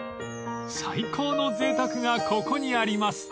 ［最高のぜいたくがここにあります］